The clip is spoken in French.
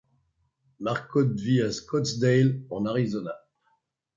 Marcotte vit à Scottsdale, en Arizona.